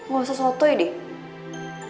gak usah sotoy deh